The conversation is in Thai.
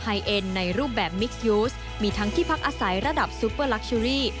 เอ็นในรูปแบบมิกยูสมีทั้งที่พักอาศัยระดับซุปเปอร์ลักเชอรี่